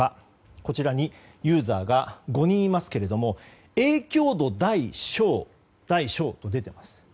こちらにユーザーが５人いますが影響度、大小と出ています。